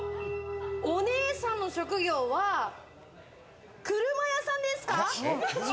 お姉さんの職業は、車屋さんですか？